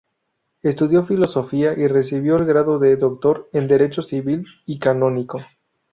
Estudió Filosofía y recibió el grado de doctor en Derecho civil y canónico.